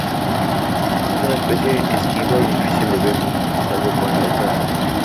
Es una especie esquiva y difícil de ver, salvo cuando canta.